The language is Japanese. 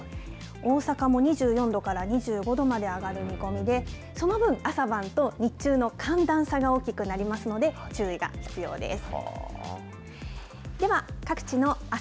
大阪も２４度から２５度まで上がる見込みで、その分、朝晩と日中の寒暖差が大きくなりますので、注意が必要です。